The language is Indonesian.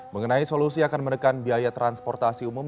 mengenai solusi akan menekan biaya transportasi umum